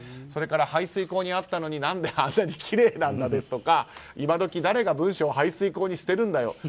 それから、排水溝にあったのに何であんなにきれいなんだとかいまどき誰が文書を排水溝に捨てるんだよ。